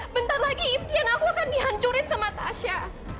bentar lagi impian aku kan dihancurin sama tasya